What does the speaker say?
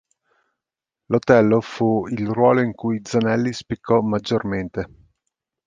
L'Otello fu il ruolo in cui Zanelli spiccò maggiormente.